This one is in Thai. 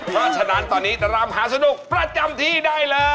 เพราะฉะนั้นตอนนี้ตามหาสนุกประจำที่ได้เลย